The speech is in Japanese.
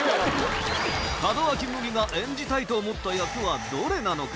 門脇麦が演じたいと思った役はどれなのか？